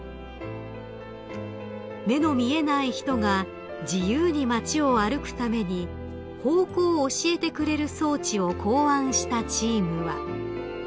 ［目の見えない人が自由に街を歩くために方向を教えてくれる装置を考案したチームは］